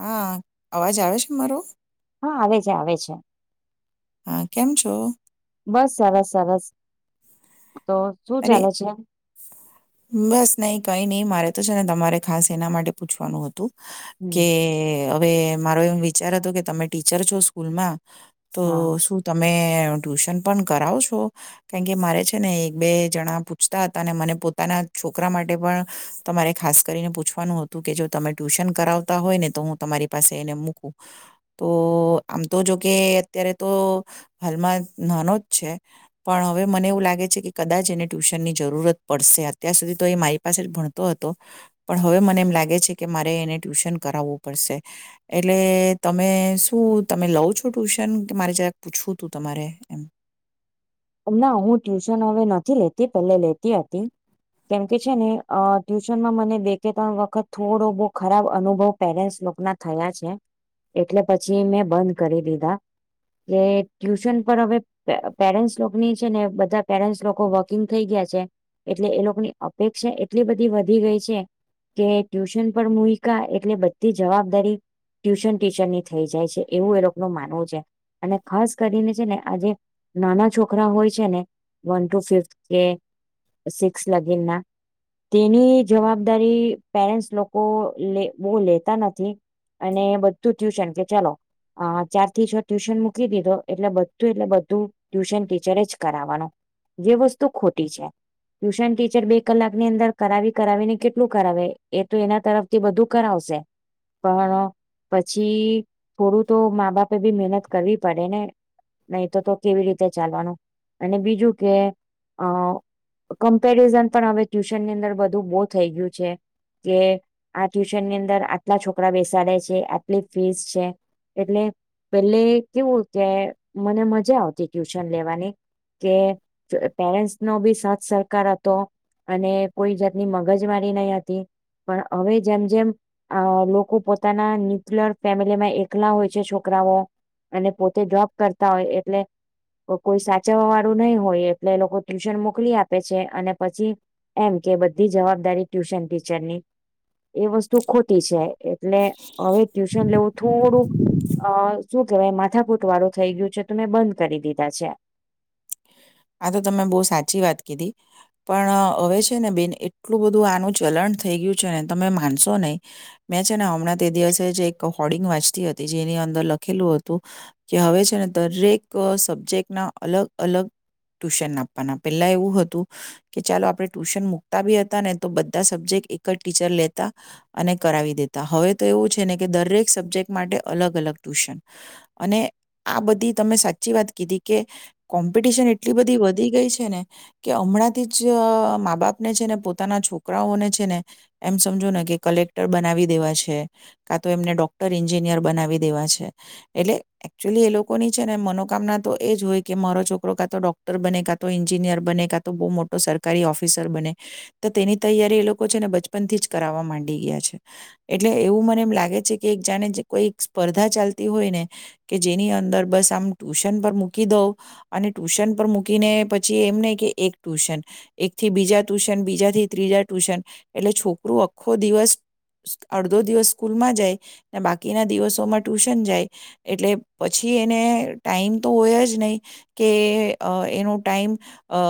હા અવાજ આવે છે મારો? હા આવે છે આવે છે. હા કેમ છો? બસ સરસ સરસ. તો શું ચાલે અરે છે બસ નહી કઈ. નહીં મારે તો છે ને તમારે ખાસ એના માટે પૂછવાનું હતું. હમ કે હવે મારો એવમ વિચાર હતો કે તમે ટીચર છો સ્કૂલમાં. તો, હા શું તમે મે ટ્યુશન પણ કરાવો છો? કારણ કે મારે છે ને બે જણા પૂછતા હતા, અને મને પોતાના છોકરા માટે પણ તમારે ખાસ કરીને પૂછવાનું હતું, કે જો તમે ટ્યુશન કરાવતા હોય ને, તો હું તમારી પાસે એને મૂકું. તો આમ તો જોકે અત્યારે તો હાલમાં નાનો જ છે પણ હવે મને એવું લાગે છે કે કદાચ એને ટ્યુશનની જરૂરત પડશે. અત્યાર સુધી તો એ મારી પાસે જ ભણતો હતો, પણ હવે મને એમ લાગે છે કે મારે એને ટ્યુશન કરાવવું પડશે. એટલે તમે શું તમે લઉ છો ટ્યુશન, કે મારે જરાક પૂછવું તું તમારે એમ. ના, હું ટ્યુશન હવે નથી લેતી, પહેલે લેતી હતી. કેમકે છે ને, અ ટ્યુશનમાં મને બે કે ત્રણ વખત થોડો બહુ ખરાબ અનુભવ પેરેન્ટ્સ લોકના થયા છે. એટલે પછી મેં બંધ કરી દીધા. કે ટ્યુશન પર હવે પેરેન્ટ્સ લોકની છે ને બધા પેરેન્ટ્સ લોકો વર્કિંગ થઈ ગયા છે, એટલે એ લોકોની અપેક્ષા એટલી બધી વધી ગઈ છે, કે ટ્યુશન પર મુયકા એટલે બધી જવાબદારી ટ્યુશન ટીચરની થઈ જાય છે, એવું એ લોકો ન માનવું છે. અને ખાસ કરીને છે ને આ જે નાના છોક રા હોય છે ને, વન ટુ ફિફથ કે સિક્સ્થ લગીન ના, તેની જવાબદારી પેરેન્ટ્સ લોકો લે બો લેતા નથી, અને બધું ટ્યુશન, કે ચાલો અં ચારથી છ ટ્યુશન મૂકી દીધો, એટલે બધ્ધુ એટલે બધ્ધુ ટ્યુશન ટી ચરે જ કરાવવાનું. એ વસ્તુ ખોટી છે. ટ્યુશન ટીચર બે કલાકની અંદર કરાવી કરાવીને કેટલું કરાવે? એ તો એના તરફથી બધું કરાવશે, પણ પછી થોડું તો મા બાપે બી મહેનત કરવી પડે ને? નહીં તો તો કેવી રીતે ચાલવાનું? અને બીજું કે, અ કમ્પેરિઝન પણ હવે ટ્યુશનની અંદર બધું બો થઈ ગયું છે, કે આ ટ્યુશનની અંદર આટલા છોકરા બેસાડે છે, આટલી ફીસ છે. એટલે પેલ્લે કેવું કે મને મજા આવતી ટ્યુશન લેવાની કે પેરેન્ટ્સનો બી સાથ સહકાર હતો, અને કોઈ જાતની મગજમારી નઈં હતી. પણ હવે જેમ જેમ અ લોકો પોતાના ન્યુક્લયર ફેમિલીમાં એકલા હોય છે છોકરાઓ, અને પોતે જોબ કરતા હોય એટલે ક કોઈ સા ચવવાવાળું નહીં હોય, એટલે એ લોકો ટ્યુશન મોકલી આપે છે. અને પછી એમ કે બધી જવાબદારી ટ્યુશન ટીચરની. એ વસ્તુ ખોટી છે. એટલે અવે ટ્યુશન લેવું થોડું અ શું કેવાય માથાકૂટવાળું થઈ ગ્યું છે, તો મેં બંધ કરી દીધા છે. આ તો તમે બહુ સાચી વાત કીધી. પણ અવે છે ને બેન, એટલું બધું આનું ચલણ થઈ ગ્યું છે ને, તમે માનશો નહીં. મેં છે ને હમણાં તે દિવસે જ એક હોર્ડિંગ વાંચતી હતી, જેની અંદર લખેલું હતું કે હવે છે ને દરેક સબ્જેક્ટના અલગ અલગ ટ્યુશન આપવાના. પેલ્લા એવું હતું, કે ચાલો આપણે ટ્યુશન મૂકતા બી હતા ને તો બધા સબ્જેક્ટ એક જ ટીચર લેતા, અને કરાવી દેતા. હવે તો એવું છે ને કે દરેક સબ્જેક્ટ માટે અલગ અલગ ટ્યુશન. અને આ બધી તમે સાચ્ચી વાત કીધી, કે કોમ્પિટિશન એટલી બધી વધી ગઈ છે ને, કે હમણાંથી જ મા બાપને છે ને પોતાના છોકરાઓને છે ને, એમ સમજો ને કે કલેક્ટર બનાવી દેવા છે, કાં તો એમને ડોક્ટર એન્જિનિયર બનાવી દેવા છે. એટલે એકચુલી એ લોકોની છે ને મનોકામના તો એ જ હોય કે મારો છોકરો કાં તો ડોક ટર બને કાં તો એન્જિનિયર બને, કાં તો બહુ મોટો સરકારી ઓફિસર બને. તો તેની તૈયારી એ લોકો છે ને બચપનથી જ કરાવવા માંડી ગ્યા છે. એટલે એવું મને એમ લાગે છે કે એક જાણે કોઈ સ્પર્ધા ચાલતી હોય ને કે જેની અંદર બસ આમ ટ્યુશન પર મૂકી દો અને ટ્યુશન ઉપર મૂકીને પછી એમ નહીં કે એક ટ્યુશન. એકથી બીજા ટ્યુશન, બીજાથી ત્રીજા ટ્યુશન, એટલે છોકરું આખ્ખો દિવસ, અડધો દિવસ સ્કૂલમાં જાય ને બાકીના દિવસોમાં ટ્યુશન જાય, એટલે પછી એને ટાઈમ તો હોય જ નહીં, કે અ એનો ટાઈમ અ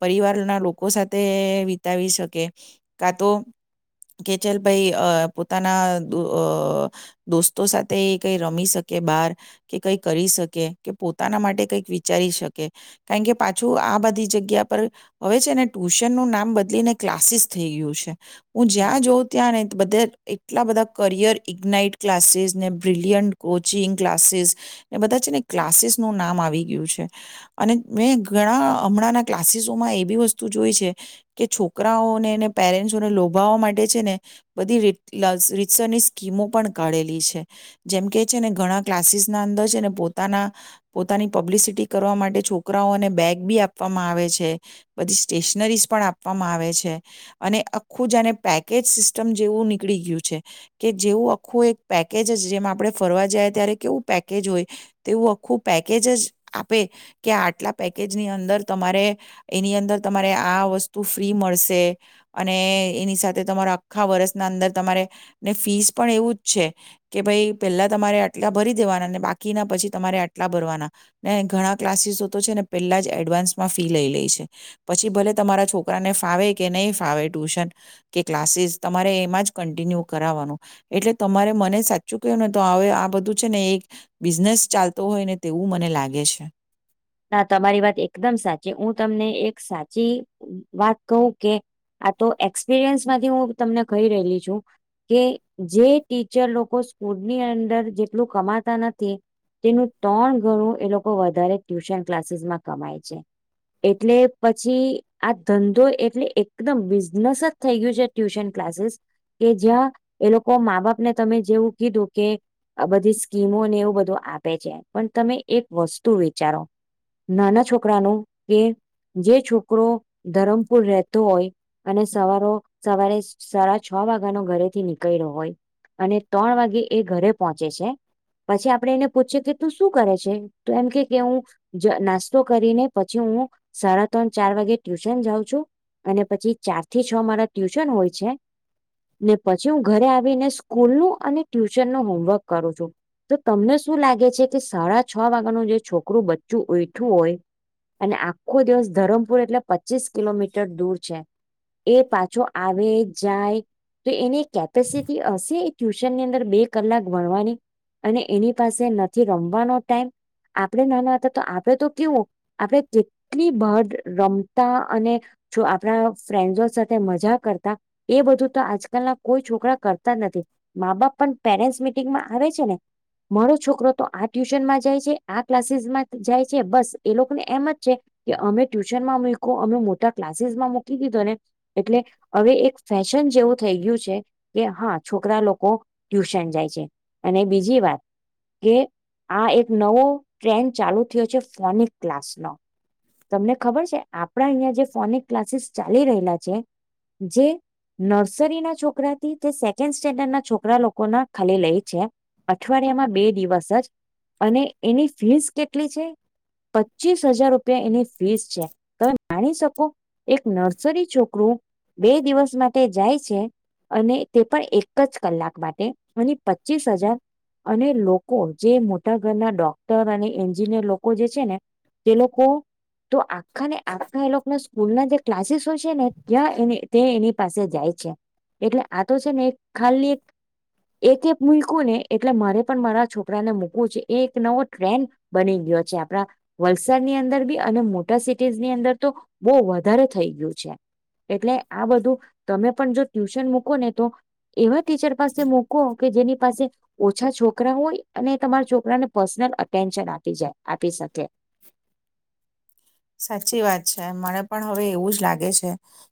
પરિવારના લોકો સાથે વિતાવી શકે. કાં તો, કે ચલ ભાઈ પોતાના દોસ્તો સાથે કંઈ રમી શકે બાર, કે કંઈ કરી શકે, કે પોતાના માટે કંઈક વિચારી શકે કારણ કે પાછું આ બધી જગ્યા પર, હવે છે ને ટ્યુશનનું નામ બદલીને ક્લાસીસ થઈ ગયું છે. હું જ્યાં જોઉં ત્યાં નહી ત બધે એટલા બધા કરિયર ઇગ્નાઇટ ક્લાસીસ, ને બ્રિલિયન્ટ કોચિંગ ક્લાસીસ, ને બધા છે ને ક્લાસીસનું નામ આવી ગ્યું છે. અને મેં ઘણા હમણાંના ક્લાસીસોમાં એવી વસ્તુ જોઈ છે કે છોકરાઓને પેરેન્ટ્સને લોભાવવા માટે છે ને બધી રી રીસરની સ્કીમો પણ કાઢેલી છે જેમ કે છે ને ઘણા ક્લાસીસના અંદર છે ને પોતાના પોતાની પબ્લિસિટી કરવા માટે છોકરાઓને બેગ બી આપવામાં આવે છે બધી સ્ટેશનરીઝ પણ આપવામાં આવે છે અને આખું જાને પેકેજ સિસ્ટમ જેવું નીકળી ગયું છે કે જેવું આખું એક પેકેજ જ જેમાં આપડણે ફરવા જાય ત્યારે કેવું પેકેજ હોય તેવું આખું પેકેજ જ આપે કે આટલા પેકેજની અંદર તમારે એની અંદર તમારે આ વસ્તુ ફ્રી મળશે અને એની સાથે તમારા આખા વરસના અંદર તમારે ને ફીસ પણ એવું જ છે કે ભાઈ પહેલા તમારે આટલા ભરી દેવાના ને બાકીના પછી તમારે આટલા ભરવાના ને ઘણા ક્લાસીસ તો છે ને પેલા જ એડવાન્સમાં ફી લઈ લે છે પછી ભલે તમારા છોકરાને ફાવે કે નહીં ફાવે ટ્યુશન કે ક્લાસીસ તમારે એમાં જ કન્ટિન્યુ કરાવવાનું એટલે તમારે મને સાચું કું ને તો હવે આ બધું છે ને એક બિઝનેસ ચાલતો હોય ને તેવું મને લાગે છે હા તમારી વાત એકદમ સાચી હું તમને એક સાચી વાત કહું કે આ તો એક્સપિરિયન્સ માંથી હું તમને કહી રહેલી છું કે જે ટીચર લોકો સ્કૂલની અંદર જેટલું કમાતા નથી તેનું ત્રણ ઘણું એ લોકો વધારે ટ્યુશન ક્લાસીસમાં કમાય છે એટલે પછી આ ધંધો એટલે એકદમ બિઝનસ જ થઈ ગયું છે ટ્યુશન ક્લાસીસ કે જ્યાં એ લોકો મા બાપને તમે જેવું કીધું કે બધી સ્કીમોને એવું બધું આપે છે પણ તમે એક વસ્તુ વ વિચારો નાના છોકરા ન કે જે છોકરો ધરમપુર રહેતો હોય અને સવારો સવારે સાડા છ વાગ્યાનો ઘરેથી નીકળ્યો હોય અને ત્રણ વાગે એ ઘરે પહોંચે છે પછી આપડે એને પૂછી કે તું શું કરે છે તો એમ કે કે હું નાસ્તો કરીને પછી હું સાડા ત્રણ ચાર વાગે ટ્યુશન જાઉં છું અને પછી ચાર થી છ મારા ટ્યુશન હોય છે ને પછી હું ઘરે આવીને સ્કૂલ નું અને ટ્યુશન નું હોમવર્ક કરું છું તો તમને શું લાગે છે કે સાડા છ વાગ્યા નુ જે છોક છોકરું બચ્ચું ઉઠયું હોય અને આખો દિવસ ધરમપુર એટલે પચીસ કિલોમીટર દૂર છે એ પાછો આવે જાય તો એની કેપેસિટી હશે એ ટ્યુશનની અંદર બે કલાક ભણવાની અને એની પાસે નથી રમવાનો ટાઈમ આ આપણે નાના હતા તો આપડે તો કેવું આપડ કેટલી બાર રમતા અને આપણા ફ્રેન્ડસો સાથે મજા કરતા એ બધું તો આજકાલના કોઈ છોકરા કરતા જ નથી મા બાપ પણ પેરેન્ટસ મિટિંગમાં આવે છે ને મારો છોકરો તો આ ટ્યુશન માં જાય છે આ ક્લાસીસમાં જાય છે બસ એ લોકોને એમ જ છે કે અમે ટ્યુશનમાં મૂકો અમે મોટા ક્લાસીસ માં મૂકી દીધો ને એટલે હવે એક ફેશન જેવું થઈ ગયું છે કે હા છોકરા લોકો ટ્યુશન જાય છે અને બીજી વાત કે આ એક નવો ટ્રેન્ડ ચાલુ થયો છે ફોનિક ક્લાસનો તમને ખબર છે આપણા અહીંયા જે ફોનિક ક્લાસીસ ચાલી રહેલા છે જે નર્સરીના છોકરાથી તે સેકન્ડ સ્ટેન્ડર્ડ ના છોકરા લોકોના ખાલી લઈ છે અઠવાડિયામાં બે દિવસ જ અને એની ફીસ કેટલી છે પચીસ હજાર રૂપિયા એની ફીસ છે તમે માણી શકો એક નર્સરી છોકરું બે દિવસ માટે જાય છે અને તે પણ એક જ કલાક માટે અનેની પચીસ હજાર અને લોકો જે મોટા ઘરના ડો ક્ટર અને એન્જિનિયર લોકો જે છે ને તે લોકો તો આખા ને આખા એ લોકોના સ્કૂલ ના જે ક્લાસીસો છે ને ત્યાં એ તે એની પાસે જાય છે એટલે આ તો છે ને ખાલી એક એક મૂલકુંને એટલે મારે પણ મારા છોકરા ને મૂકવું છે એ એક નવો ટ્રેન્ડ બની ગયો છે આપણા વલસાડ ની અંદર બી અને મોટા સિટીઝની અંદર તો બહુ વધારે થઈ ગયું છે એટલે આ બધું તમે પણ જો ટ્યુશન મૂકો ને તો એવા જ ટીચર પાસે મૂકો કે જેની પાસે ઓછા છોકરા હોય અને તમારા છોકરાને પર્સનલ અ ટેન્શન આપી જાય આપી શકે સાચી વાત છે મરે પણ હવે એવું જ લાગે છે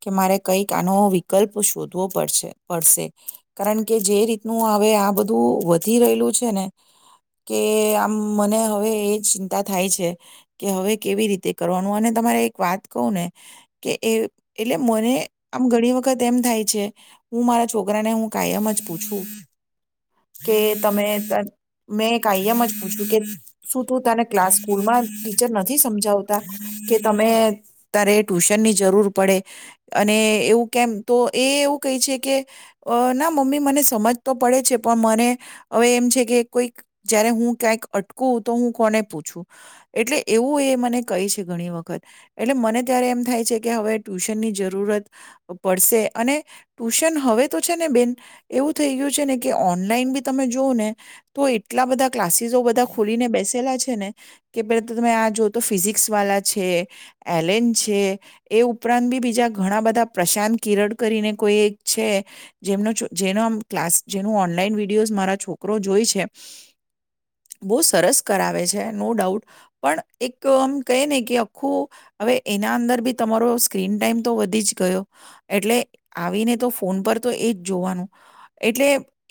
કે મારે કઈક આનો વિકલ્પ શોધવો પડશે પડશે કારણ કે જે રીતનું હવે આ બધું વધી રહેલું છે ને કે આમ મને હવે એ ચિંતા થાય છે કે હવે કેવી રીતે કરવાનું અને તમારે એક વાત કહું ને કે એટલે મને આમ ઘણી વખત એમ થાય છે હું મારા છોકરાને હું કાયમ જ પૂછું કે તમે મેં કાયમ જ પૂછ્યું કે શું તું તને ક્લાસ સ્કૂલમાં ટીચર નથી સમજાવ તા કે તમે તારે ટ્યુશનની જરૂર પડે અને એવું કેમ તો એ એવું કહે છે કે ના મમ્મી મને સમજ તો પડે છે તા પણ મને હવે એમ છે કે કોઈક જયારે હું ક્યાંક અટકું તો હું કોને પૂછું એટલે એવું એ મને કહે છે ઘણી વખત એટલે મને ત્યારે એમ થાય છે કે હવે ટ્યુશનની જરૂરત પડશે અને ટ્યુશન હવે તો છે ને બેન એવું થઈ ગયું છે ને કે ઓનલાઈન બી તમે જો ને તો એટલા બધા ક્લાસીસો બધા ખોલીને બેસેલા છે ને કે પેલા તમે આ જો તો ફિઝિક એલેન છે, એ ઉપરાંત બી બીજા ઘણા બધા પ્રશાંત કિર કરીને કોઈ એક છે, જે જે ક્લાસ જે ઓનલાઈન વિડીયો મારા છોકરો જોય છે, બહ સરસ કરાવે છે નો ડાઉટ, પણ એકમ કહે ને કે આખું, હવે એના અંદર બી તમારો સ્ક્રીન ટાઈમ તો વધી જ ગયો, એટલે આવીને તો ફોન પર તો એ જ જોવાનું, એટલે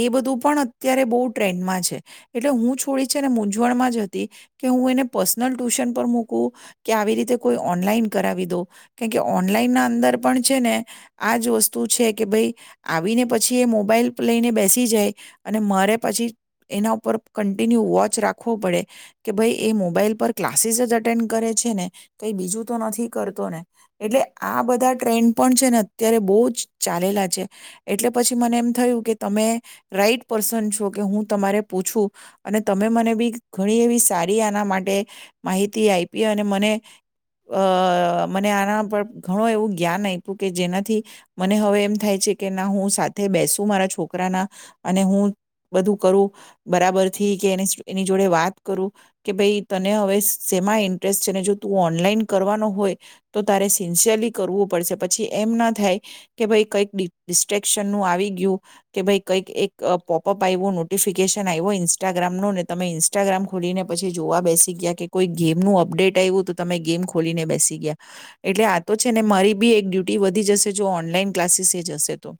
એ બધું પણ અત્યારે બહુ ટ્રેન્ડમાં છે, એટલે હું છોડી છે ને મૂંઝવણમાં જ હતી, કે હું એને પર્સનલ ટ્યુશન પર મક કે આવી રીતે કોઈ ઓનલાઈન કરાવી દો, કેમ કે ઓનલાઈન ના અંદર પણ છે ને, આજ વસ્તુ છે કે ભાઈ આવીને પછી એ મોબાઈલ લઈને બેસી જાય અને મારે પછી એના ઉપર કન્ટિન્યુ વોચ રાખવો પડે, કે ભાઈ એ મોબાઈલ પર ક્લાસીસ જ ે કઈ બીજું તો નથી કરતો ને, એટલે આ બધા ટ્રેન્ડ પણ છે ને અત્યારે બહુ જ ચાલેલા છે, એટલે પછી મને એમ થયું કે તમે, રાઈટ પર્સન છો કે હું તમારે પૂછું, અને તમે મને બી ઘણી એવી સારી આના માટે, માહિત થી આપી અને મને અ મને આના પર ઘણું એવું જ્ઞાન આપ્યું કે જેનાથી, મને હવે એમ થાય છે કે ના હું સાથે બેસું મારા છોકરાના, અને હું બધું કરું, બરાબરથી કે એની જોડે વાત કરું, કે ભાઈ તને હવે સેમા ઇન્ટરેસ્ટ છે ને જો તું ઓનલાઈન કરવાનો હોય, તો તારે સિન્સિયરલી કરવું પડશે પછી એમ ના થાય, કે ભાઈ કંઈક ડિસ્ટ્રેક્શન નું આવી ગયું, કે ભાઈ કઈક એક પોપઅપ આવું નોટિફિકેશન આવ્યું ઇન્સ્ટાગ્રામ નો ને તમે ઇન્સ્ટાગ્રામ ખોલીને પછી જોવા બેસી ગયા કે કોઈ ગેમનું અપડેટ આવ્યું તો તમે ગેમ ખોલીને બેસી ગયા, એટલે આ તો છે ને મારી બી એક ડ્યુટી વધી જશે જો ઓનલાઈન ક્લાસીસ જશે તો,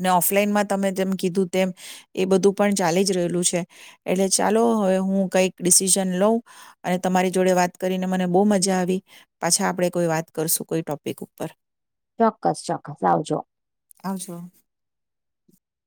ને ઓફલાઈનમાં તમે જે કીધું તેમ, એ બધું પણ ચાલી જ રહેલું છે, એટલે ચાલો હવે હું કઈક ડિસિઝન લઉં. અને તમારી જોડે વાત કરીને મને બહુ મજા આવી, પાછા આપણે કોઈ વાત કરશું કોઈ ટોપિક ઉપર. ચોક્કસ ચોક્કસ આવજો. આવજો.